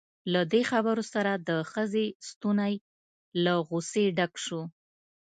له دې خبرو سره د ښځې ستونی له غصې ډک شو.